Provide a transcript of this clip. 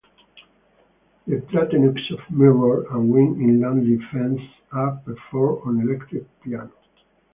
"The Plateaux of Mirror" and "Wind in Lonely Fences" are performed on electric piano.